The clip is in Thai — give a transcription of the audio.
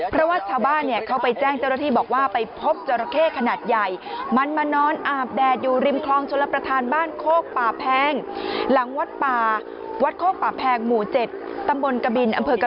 ภาวะกันยกจังหวัดเลย